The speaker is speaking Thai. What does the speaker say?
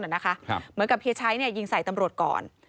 เหมือนกับเฮียชัยยิงใส่ตำรวจก่อน